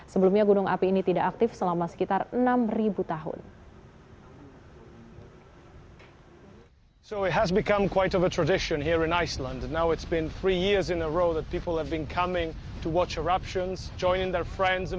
sebelumnya gunung api ini tidak aktif selama sekitar enam tahun